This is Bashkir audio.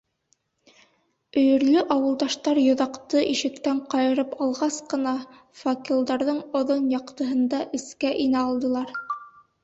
Өйөрлө ауылдаштар йоҙаҡты ишектән ҡайырып алғас ҡына, факелдарҙың оҙон яҡтыһында эскә инә алдылар.